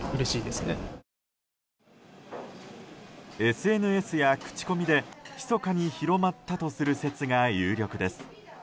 ＳＮＳや口コミで、ひそかに広まったとする説が有力です。